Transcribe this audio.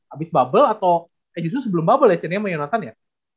abis bubble atau eh justru sebelum bubble ya cen ya sama yonatan ya